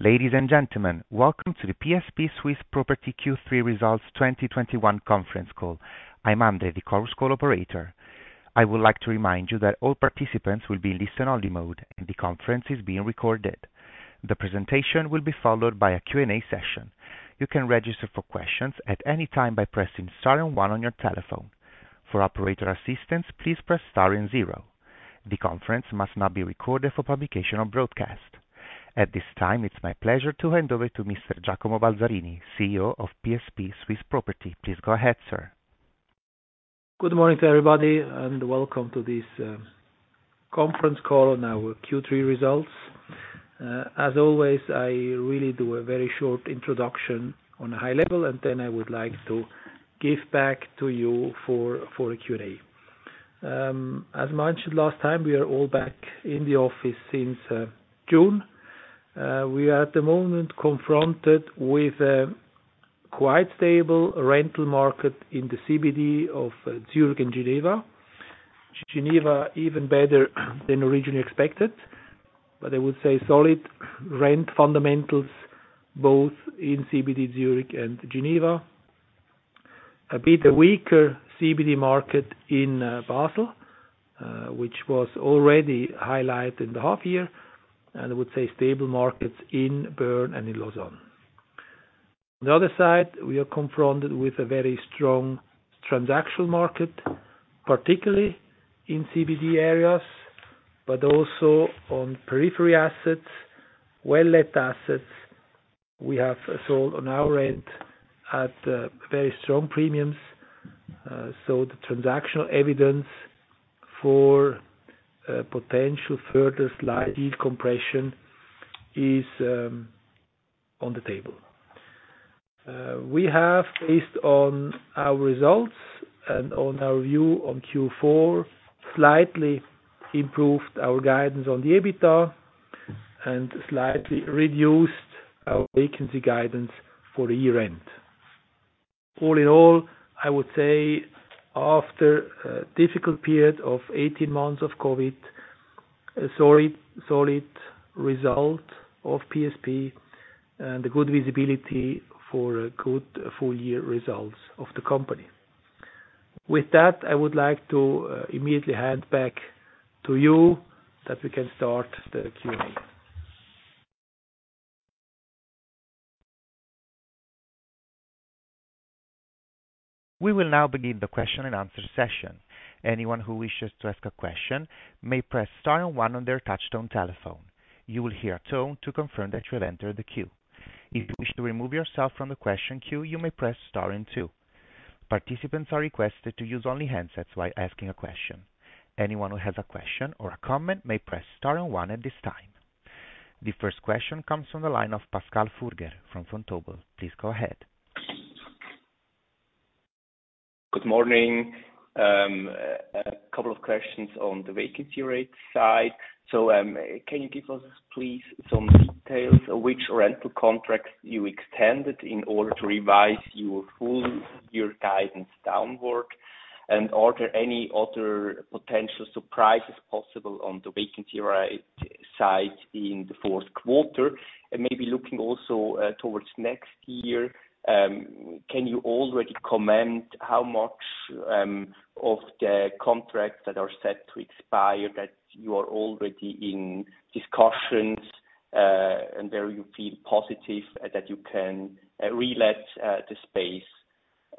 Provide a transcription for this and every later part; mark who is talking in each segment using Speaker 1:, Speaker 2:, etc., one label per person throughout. Speaker 1: Ladies and gentlemen, welcome to the PSP Swiss Property Q3 2021 conference call. I'm Andre, the Chorus Call operator. I would like to remind you that all participants will be in listen-only mode, and the conference is being recorded. The presentation will be followed by a Q&A session. You can register for questions at any time by pressing star and one on your telephone. For operator assistance, please press star and zero. The conference must not be recorded for publication or broadcast. At this time, it's my pleasure to hand over to Mr. Giacomo Balzarini, CEO of PSP Swiss Property. Please go ahead, sir.
Speaker 2: Good morning to everybody, and welcome to this conference call on our Q3 results. As always, I really do a very short introduction on a high level, and then I would like to give back to you for a Q&A. As mentioned last time, we are all back in the office since June. We are at the moment confronted with a quite stable rental market in the CBD of Zurich and Geneva. Geneva even better than originally expected. I would say solid rent fundamentals both in CBD Zurich and Geneva. A bit weaker CBD market in Basel, which was already highlighted in the half year, and I would say stable markets in Bern and in Lausanne. On the other side, we are confronted with a very strong transactional market, particularly in CBD areas, but also on periphery assets, well-let assets we have sold on our end at very strong premiums. The transactional evidence for potential further yield compression is on the table. We have, based on our results and on our view on Q4, slightly improved our guidance on the EBITDA and slightly reduced our vacancy guidance for the year-end. All in all, I would say after a difficult period of 18 months of COVID, a solid result of PSP and good visibility for a good full-year results of the company. With that, I would like to immediately hand back to you that we can start the Q&A.
Speaker 1: We will now begin the question and answer session. Anyone who wishes to ask a question may press star and one on their touch-tone telephone. You will hear a tone to confirm that you have entered the queue. If you wish to remove yourself from the question queue, you may press star and two. Participants are requested to use only handsets while asking a question. Anyone who has a question or a comment may press star and one at this time. The first question comes from the line of Pascal Furger from Vontobel. Please go ahead.
Speaker 3: Good morning. A couple of questions on the vacancy rate side. Can you give us, please, some details of which rental contracts you extended in order to revise your full-year guidance downward? Are there any other potential surprises possible on the vacancy rate side in the fourth quarter? Maybe looking also towards next year, can you already comment how much of the contracts that are set to expire that you are already in discussions, and where you feel positive that you can relet the space?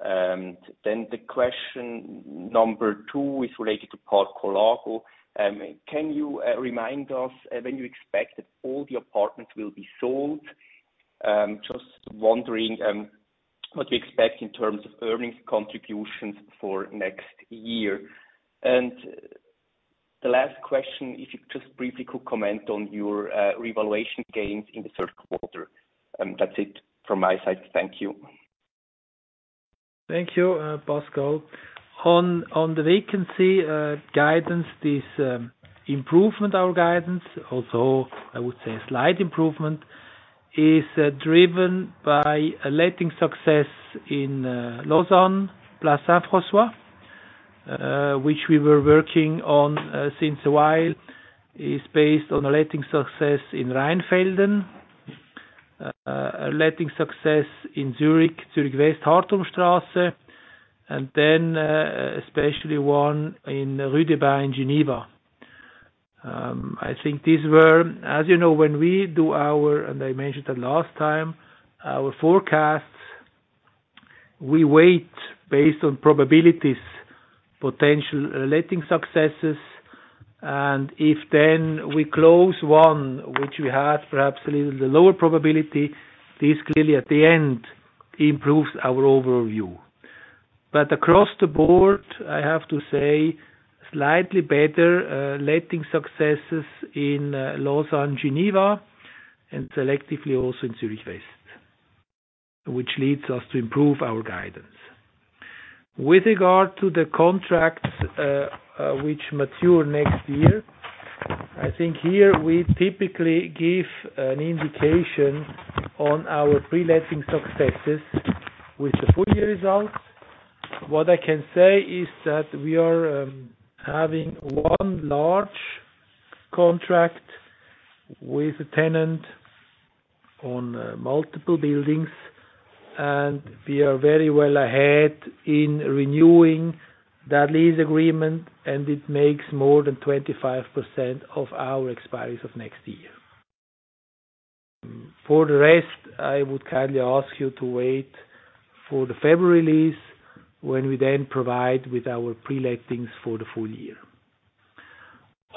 Speaker 3: The question number two is related to Parco Lago. Just wondering, what you expect in terms of earnings contributions for next year. The last question, if you just briefly could comment on your revaluation gains in the third quarter. That's it from my side. Thank you.
Speaker 2: Thank you, Pascal. On the vacancy guidance, this improvement, our guidance also I would say a slight improvement, is driven by a letting success in Lausanne, Place Saint-François, which we were working on for a while. It's based on a letting success in Rheinfelden, a letting success in Zurich West, Hardturmstrasse, and then especially one in Rue des Bains in Geneva. I think these were. As you know, when we do our forecasts, and I mentioned that last time, we base on probabilities, potential letting successes. If then we close one, which we had perhaps a little lower probability, this clearly at the end improves our overview. Across the board, I have to say, slightly better letting successes in Lausanne, Geneva, and selectively also in Zurich West, which leads us to improve our guidance. With regard to the contracts which mature next year, I think here we typically give an indication on our pre-letting successes with the full year results. What I can say is that we are having one large contract with a tenant on multiple buildings, and we are very well ahead in renewing that lease agreement, and it makes more than 25% of our expiries of next year. For the rest, I would kindly ask you to wait for the February release when we then provide with our pre-lettings for the full year.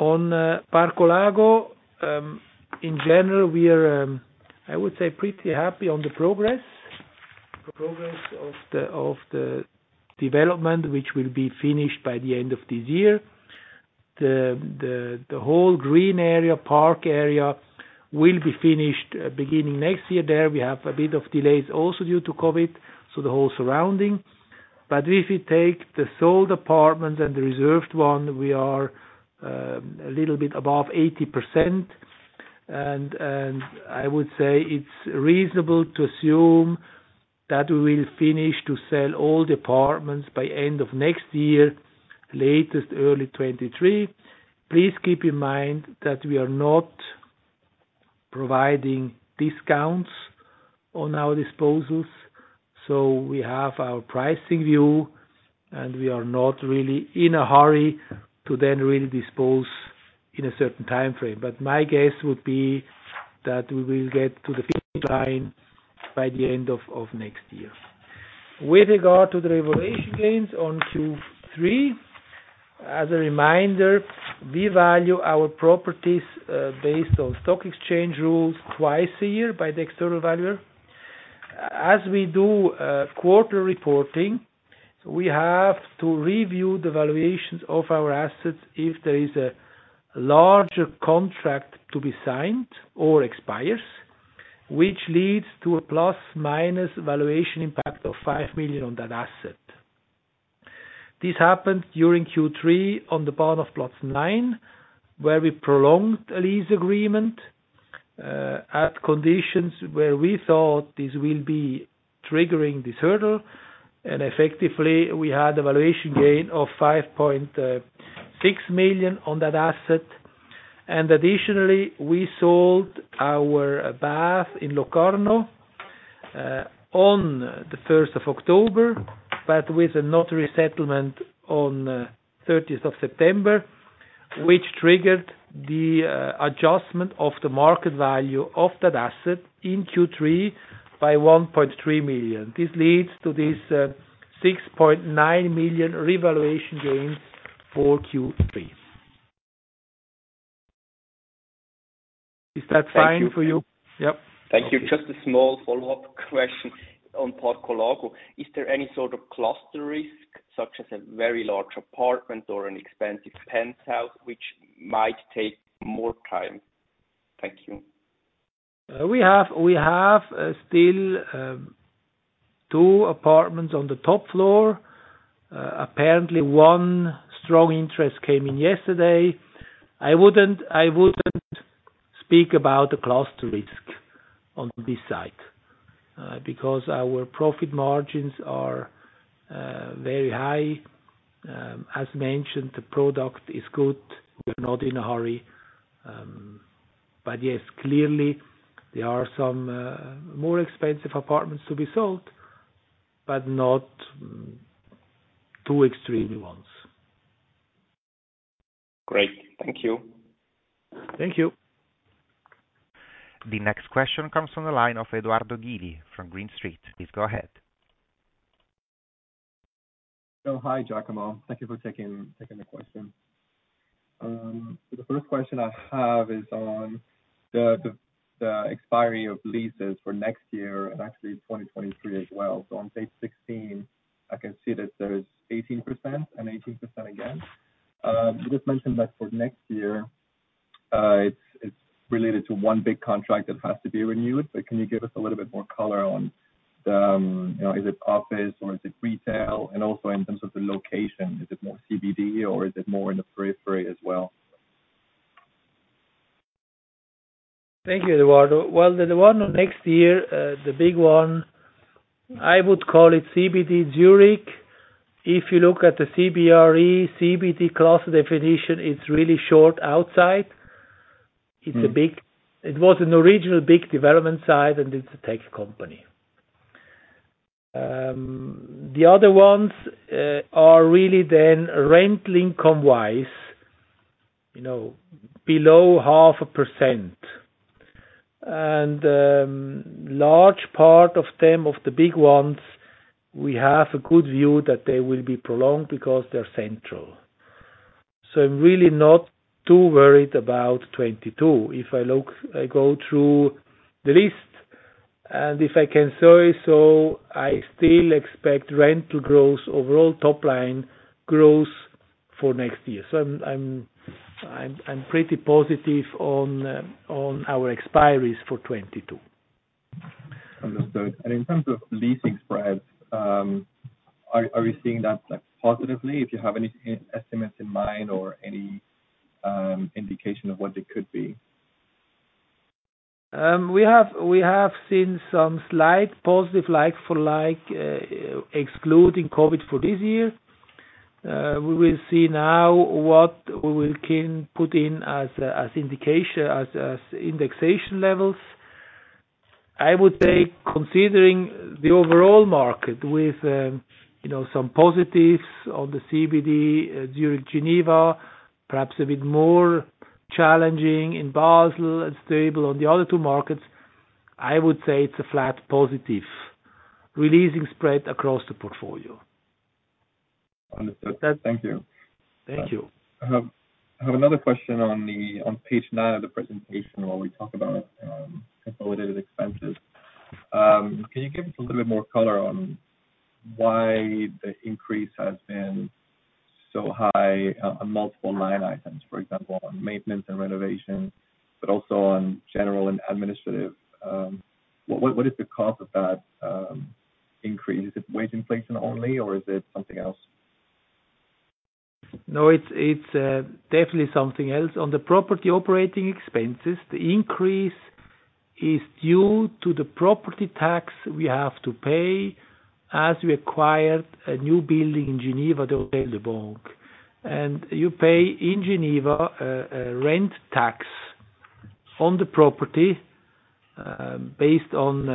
Speaker 2: On Parco Lago, in general, we are, I would say, pretty happy on the progress of the development which will be finished by the end of this year. The whole green area, park area will be finished beginning next year. There we have a bit of delays also due to COVID, so the whole surrounding. If you take the sold apartments and the reserved one, we are a little bit above 80%. I would say it's reasonable to assume that we will finish to sell all the apartments by end of next year, latest early 2023. Please keep in mind that we are not providing discounts on our disposals, so we have our pricing view, and we are not really in a hurry to then really dispose in a certain timeframe. My guess would be that we will get to the finish line by the end of next year. With regard to the revaluation gains on Q3, as a reminder, we value our properties based on stock exchange rules twice a year by the external valuer. As we do quarter reporting, we have to review the valuations of our assets if there is a larger contract to be signed or expires, which leads to a plus/minus valuation impact of 5 million on that asset. This happened during Q3 on the part of Platz 9, where we prolonged a lease agreement at conditions where we thought this will be triggering this hurdle. Effectively, we had a valuation gain of 5.6 million on that asset. Additionally, we sold our Bahnhof in Locarno on 1st October, but with a notary settlement on 30th September, which triggered the adjustment of the market value of that asset in Q3 by 1.3 million. This leads to this 6.9 million revaluation gains for Q3. Is that fine for you?
Speaker 3: Thank you.
Speaker 2: Yep. Okay.
Speaker 3: Thank you. Just a small follow-up question on Parco Lago. Is there any sort of cluster risk, such as a very large apartment or an expensive penthouse, which might take more time? Thank you.
Speaker 2: We have still two apartments on the top floor. Apparently one strong interest came in yesterday. I wouldn't speak about the cluster risk on this side because our profit margins are very high. As mentioned, the product is good. We're not in a hurry. Yes, clearly there are some more expensive apartments to be sold, but not too extremely ones.
Speaker 3: Great. Thank you.
Speaker 2: Thank you.
Speaker 1: The next question comes from the line of Edoardo Gili from Green Street. Please go ahead.
Speaker 4: Oh, hi, Giacomo. Thank you for taking the question. The first question I have is on the expiry of leases for next year and actually 2023 as well. On page 16, I can see that there's 18% and 18% again. You just mentioned that for next year, it's related to one big contract that has to be renewed. Can you give us a little bit more color on, you know, is it office or is it retail? And also in terms of the location, is it more CBD or is it more in the periphery as well?
Speaker 2: Thank you, Edoardo. Well, the one next year, the big one, I would call it CBD Zurich. If you look at the CBRE CBD class definition, it's really short outside.
Speaker 4: Mm.
Speaker 2: It was an original big development site, and it's a tech company. The other ones are really then rent-linked income wise, you know, below 0.5%. Large part of them, of the big ones, we have a good view that they will be prolonged because they're central. I'm really not too worried about 2022. If I look, I go through the list, and if I can say so, I still expect rental growth, overall top line growth for next year. I'm pretty positive on our expiries for 2022.
Speaker 4: Understood. In terms of leasing spreads, are we seeing that, like, positively? If you have any estimates in mind or any indication of what they could be?
Speaker 2: We have seen some slight positive like for like, excluding COVID for this year. We will see now what we can put in as indication, indexation levels. I would say considering the overall market with, you know, some positives on the CBD, Zurich, Geneva, perhaps a bit more challenging in Basel and stable on the other two markets, I would say it's a flat positive releasing spread across the portfolio.
Speaker 4: Understood. Thank you.
Speaker 2: Thank you.
Speaker 4: I have another question on page nine of the presentation where we talk about consolidated expenses. Can you give us a little bit more color on why the increase has been so high on multiple line items, for example, on maintenance and renovation, but also on general and administrative? What is the cause of that increase? Is it wage inflation only, or is it something else?
Speaker 2: No, it's definitely something else. On the property operating expenses, the increase is due to the property tax we have to pay as we acquired a new building in Geneva, the Hôtel de Banque. You pay in Geneva a rent tax on the property based on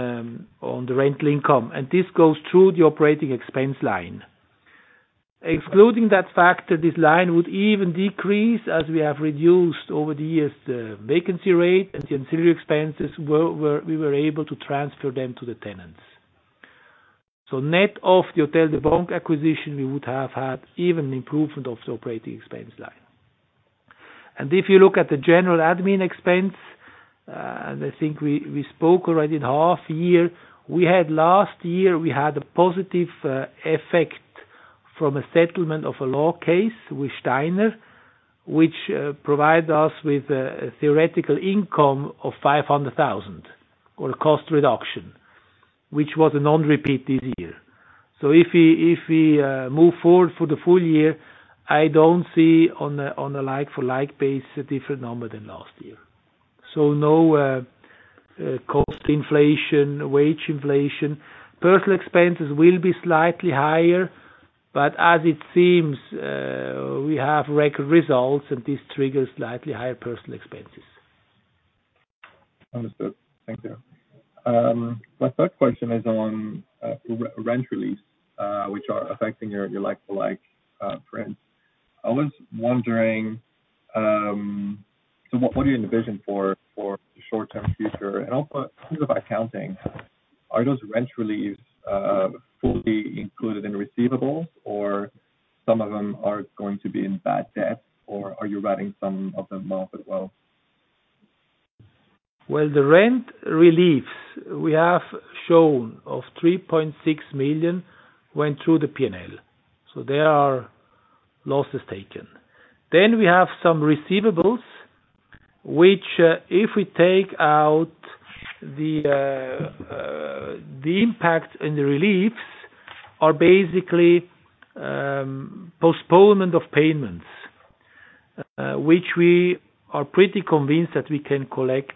Speaker 2: the rental income. This goes through the operating expense line. Excluding that factor, this line would even decrease as we have reduced over the years the vacancy rate and the ancillary expenses we were able to transfer them to the tenants. Net of the Hôtel de Banque acquisition, we would have had even improvement of the operating expense line. If you look at the general admin expense, I think we spoke already in half year. We had last year a positive effect from a settlement of a law case with Steiner, which provide us with a theoretical income of 500,000 or cost reduction, which was a non-repeat this year. If we move forward for the full year, I don't see on a like for like basis a different number than last year. So no cost inflation, wage inflation. Personnel expenses will be slightly higher, but as it seems, we have record results and this triggers slightly higher personnel expenses.
Speaker 4: Understood. Thank you. My third question is on rent reliefs, which are affecting your like for like trends. I was wondering, so what do you envision for the short-term future? Also think about accounting, are those rent reliefs fully included in receivables or some of them are going to be in bad debt, or are you writing some of them off as well?
Speaker 2: The rent reliefs we have shown of 3.6 million went through the P&L, so there are losses taken. We have some receivables, which, if we take out the impact and the reliefs are basically, postponement of payments, which we are pretty convinced that we can collect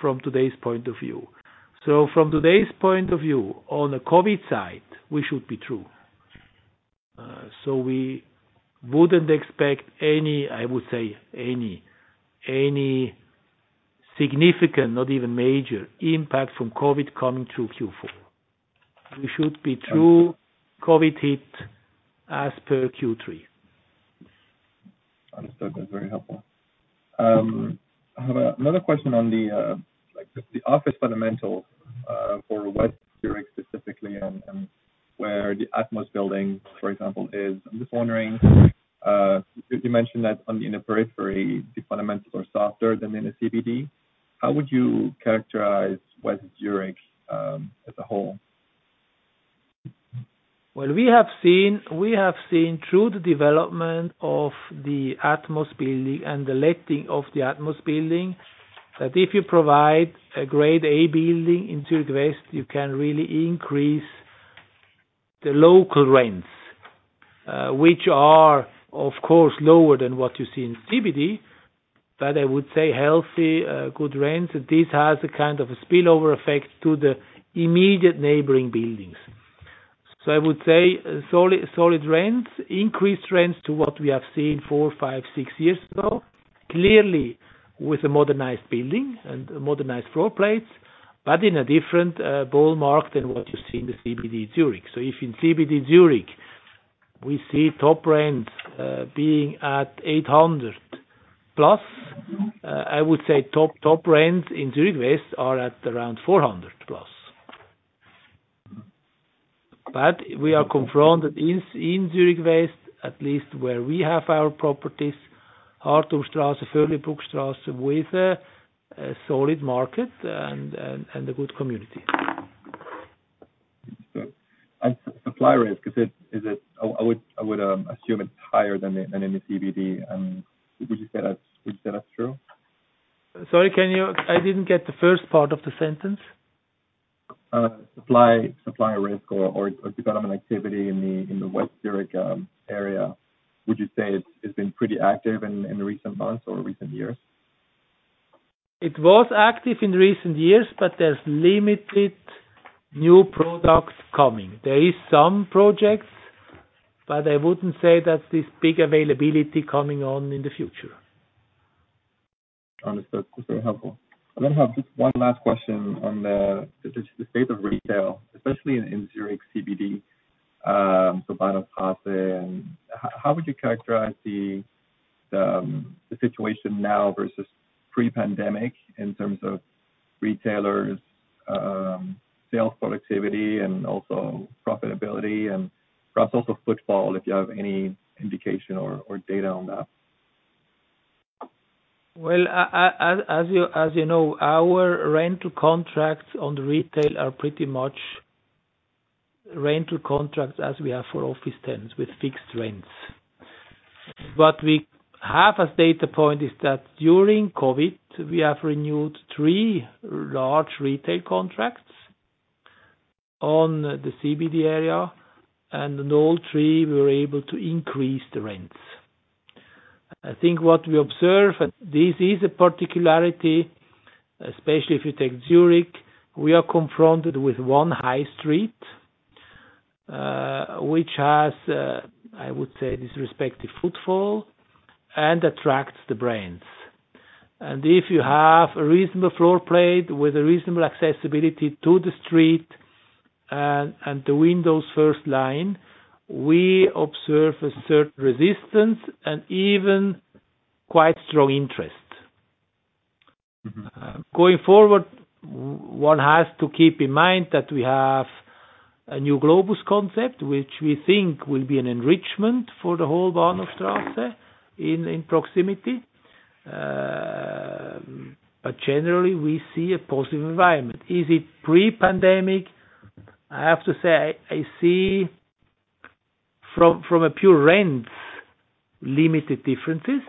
Speaker 2: from today's point of view. From today's point of view, on the COVID side, we should be through. We wouldn't expect any, I would say, any significant, not even major impact from COVID coming through Q4. We should be through COVID hit as per Q3.
Speaker 4: Understood. That's very helpful. I have another question on the like the office fundamentals for West Zurich specifically and where the ATMOS building, for example, is. I'm just wondering, you mentioned that on the inner periphery, the fundamentals are softer than in the CBD. How would you characterize West Zurich as a whole?
Speaker 2: Well, we have seen through the development of the ATMOS building and the letting of the ATMOS building, that if you provide a grade A building in Zurich West, you can really increase the local rents, which are of course lower than what you see in CBD. I would say healthy, good rents. This has a kind of a spillover effect to the immediate neighboring buildings. I would say solid rents, increased rents to what we have seen four, five, six years ago. Clearly, with a modernized building and modernized floor plates, but in a different ballpark than what you see in the CBD Zurich. If in CBD Zurich, we see top rents being at 800+, I would say top rents in Zurich West are at around 400+. We are confirmed that in Zurich West, at least where we have our properties, Hardturmstrasse, Förrlibuckstrasse with a solid market and a good community.
Speaker 4: Supply risk. Is it? I would assume it's higher than in the CBD. Would you say that's true?
Speaker 2: Sorry, I didn't get the first part of the sentence.
Speaker 4: Supply, supplier risk or development activity in the Zurich West area. Would you say it's been pretty active in recent months or recent years?
Speaker 2: It was active in recent years, but there's limited new projects coming. There is some projects, but I wouldn't say that there's big availability coming on in the future.
Speaker 4: Understood. That's very helpful. I have just one last question on the just the state of retail, especially in Zurich CBD, so Bahnhofstrasse. How would you characterize the situation now versus pre-pandemic in terms of retailers, sales productivity, and also profitability, and perhaps also footfall, if you have any indication or data on that?
Speaker 2: Well, as you know, our rental contracts on the retail are pretty much rental contracts as we have for office tenants with fixed rents. What we have as data point is that during COVID, we have renewed three large retail contracts on the CBD area, and in all three, we were able to increase the rents. I think what we observe, and this is a particularity, especially if you take Zurich, we are confronted with one high street, which has, I would say, this respective footfall and attracts the brands. If you have a reasonable floor plate with a reasonable accessibility to the street and the windows first line, we observe a certain resistance and even quite strong interest.
Speaker 4: Mm-hmm.
Speaker 2: Going forward, one has to keep in mind that we have a new Globus concept, which we think will be an enrichment for the whole Bahnhofstrasse in proximity. Generally, we see a positive environment. Is it pre-pandemic? I have to say, I see from a pure rents limited differences.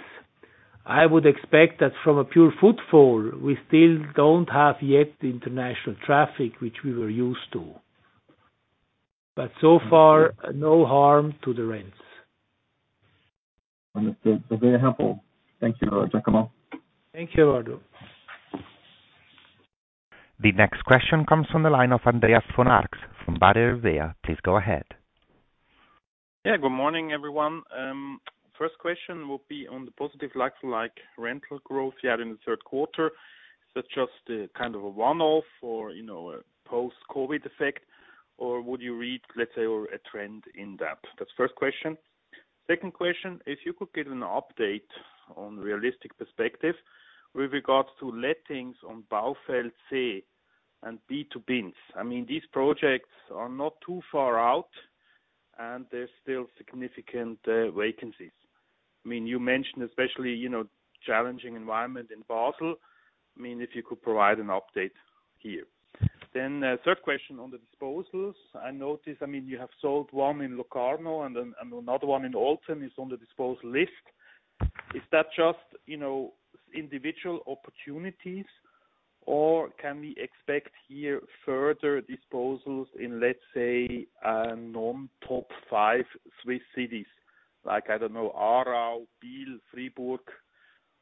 Speaker 2: I would expect that from a pure footfall, we still don't have yet the international traffic which we were used to. So far, no harm to the rents.
Speaker 4: Understood. That's very helpful. Thank you, Giacomo.
Speaker 2: Thank you, Edoardo.
Speaker 1: The next question comes from the line of Andreas von Arx from Baader Helvea. Please go ahead.
Speaker 5: Yeah, good morning, everyone. First question will be on the positive like-for-like rental growth you had in the third quarter. Is that just a kind of a one-off or, you know, a post-COVID effect, or would you read, let's say, or a trend in depth? That's first question. Second question, if you could give an update on realistic perspective with regards to lettings on Baufeld C and B2Binz. I mean, these projects are not too far out, and there's still significant vacancies. I mean, you mentioned especially, you know, challenging environment in Basel. I mean, if you could provide an update here. Then, third question on the disposals. I notice, I mean, you have sold one in Locarno and then another one in Olten is on the disposal list. Is that just, you know, individual opportunities, or can we expect here further disposals in, let's say, known top five Swiss cities? Like, I don't know, Aarau, Biel, Fribourg,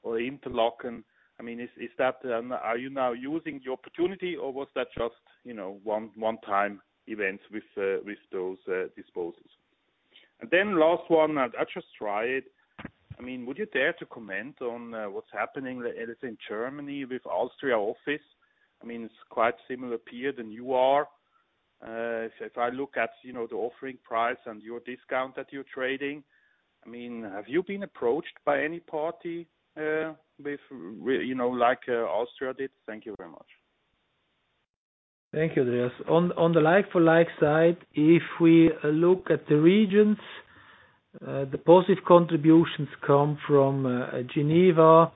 Speaker 5: or Interlaken. I mean, is that are you now using the opportunity or was that just, you know, one time event with those disposals? Last one. I just try it. I mean, would you dare to comment on what's happening, let's say, in Germany with alstria office? I mean, it's quite similar period than you are. So if I look at, you know, the offering price and your discount that you're trading. I mean, have you been approached by any party with, you know, like alstria did? Thank you very much.
Speaker 2: Thank you, Andreas. On the like for like side, if we look at the regions, the positive contributions come from Geneva,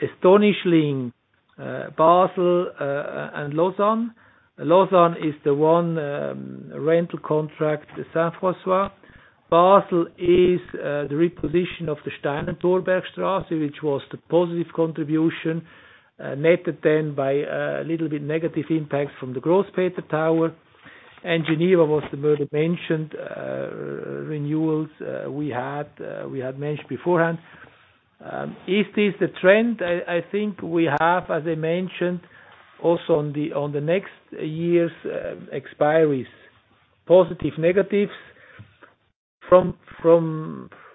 Speaker 2: astonishingly, Basel, and Lausanne. Lausanne is the one rental contract, the Saint-François. Basel is the reposition of the Steinentorbergstrasse, which was the positive contribution, netted then by a little bit negative impact from the Grosspeter Tower. Geneva was the earlier mentioned renewals we had mentioned beforehand. Is this the trend? I think we have, as I mentioned, also on the next year's expiries, positive, negatives. From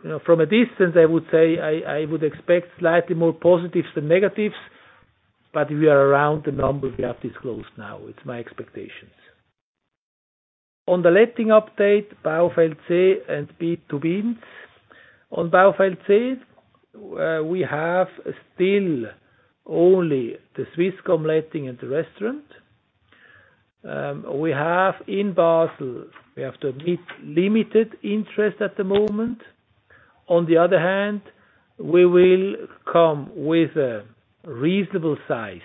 Speaker 2: you know, from a distance, I would say I would expect slightly more positives than negatives, but we are around the numbers we have disclosed now. It's my expectations. On the letting update, Baufeld C and B2Binz. On Baufeld C, we have still only the Swisscom letting and the restaurant. In Basel, we have to admit limited interest at the moment. On the other hand, we will come with a reasonable sized,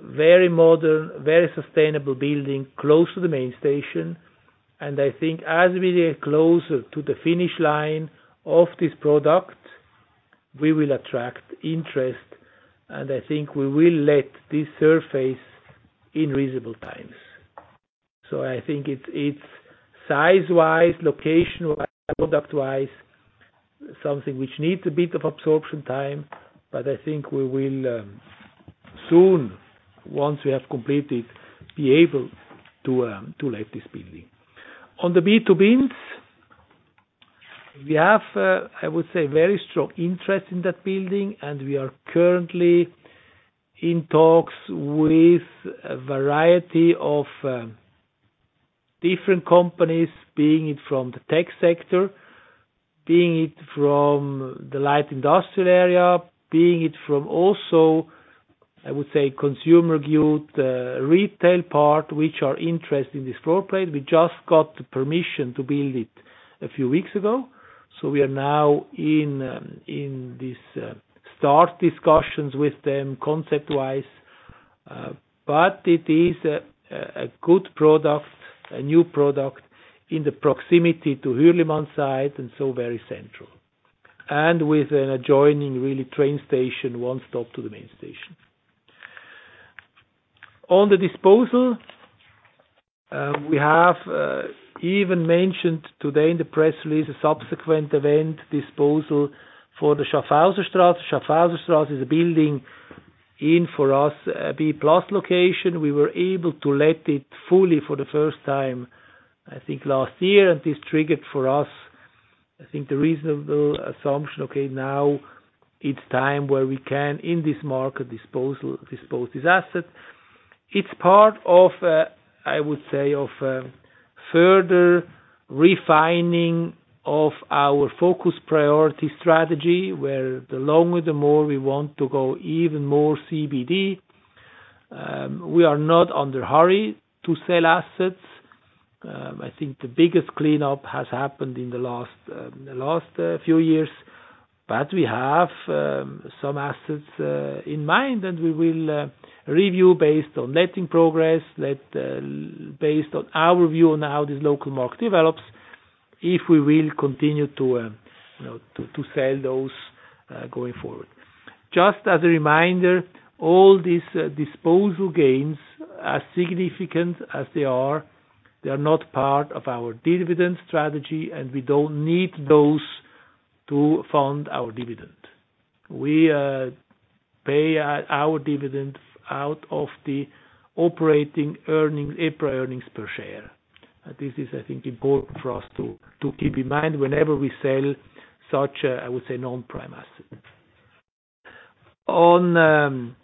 Speaker 2: very modern, very sustainable building close to the main station. I think as we get closer to the finish line of this product, we will attract interest, and I think we will let this surface in reasonable times. I think it's size-wise, location wise, something which needs a bit of absorption time, but I think we will soon, once we have completed, be able to let this building. On the B2Binz, we have I would say very strong interest in that building, and we are currently in talks with a variety of different companies, being it from the tech sector, being it from the light industrial area, being it from also I would say consumer goods retail part, which are interested in this floor plate. We just got the permission to build it a few weeks ago, so we are now in this starting discussions with them concept-wise. It is a good product, a new product in the proximity to Hohlstrasse site, and so very central. With an adjoining railway station, one stop to the main station. On the disposal, we have even mentioned today in the press release a subsequent event disposal for the Schaffhauserstrasse. Schaffhauserstrasse is a building in, for us, a B+ location. We were able to let it fully for the first time, I think, last year. This triggered for us, I think, the reasonable assumption, okay, now it's time where we can, in this market disposal, dispose this asset. It's part of, I would say, of further refining of our focus priority strategy, where the longer the more we want to go even more CBD. We are not under hurry to sell assets. I think the biggest cleanup has happened in the last few years. We have some assets in mind, and we will review based on letting progress. Based on our view on how this local market develops, if we will continue to you know to sell those going forward. Just as a reminder, all these disposal gains, as significant as they are, they are not part of our dividend strategy, and we don't need those to fund our dividend. We pay our dividend out of the operating earnings, EPRA earnings per share. This is, I think, important for us to keep in mind whenever we sell such a, I would say, non-prime asset. On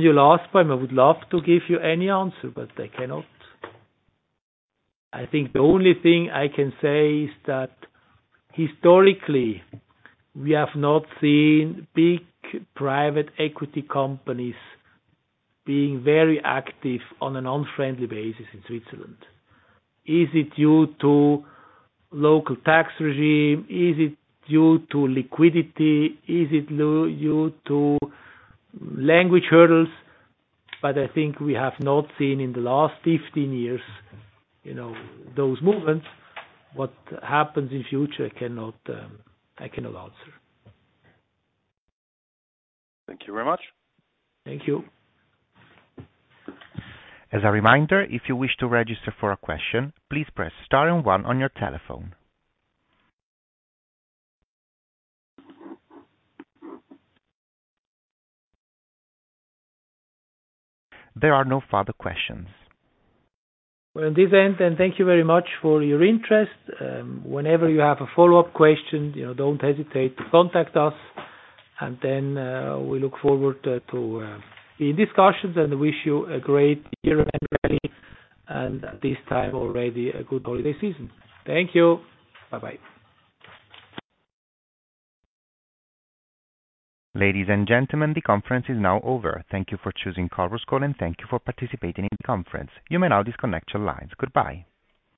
Speaker 2: your last point, I would love to give you any answer, but I cannot. I think the only thing I can say is that historically, we have not seen big private equity companies being very active on an unfriendly basis in Switzerland. Is it due to local tax regime? Is it due to liquidity? Is it due to language hurdles? I think we have not seen in the last 15 years, you know, those movements. What happens in future, I cannot answer.
Speaker 5: Thank you very much.
Speaker 2: Thank you.
Speaker 1: As a reminder, if you wish to register for a question, please press star and one on your telephone. There are no further questions.
Speaker 2: Well, in the end then, thank you very much for your interest. Whenever you have a follow-up question, you know, don't hesitate to contact us. We look forward to the discussions and wish you a great year and at this time already a good holiday season. Thank you. Bye-bye.
Speaker 1: Ladies and gentlemen, the conference is now over. Thank you for choosing Conference Call, and thank you for participating in the conference. You may now disconnect your lines. Goodbye.